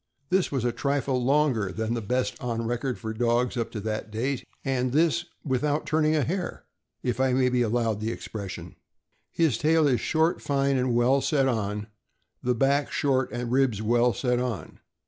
This was a trifle longer than the best on record for dogs up to that date; and this " without turning a hair," if I may be allowed the expres sion. His tail is short, fine, and well set on; the back short and ribs well set on.